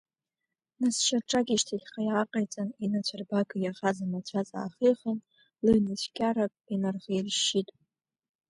Нас шьаҿак ишьҭахьҟа иааҟаиҵан, инацәарбага иахаз амацәаз аахихын, лыҩнацәкьарак инарха-иршьшьит.